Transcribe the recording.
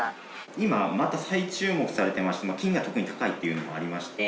今また再注目されてまして金が特に高いっていうのもありまして。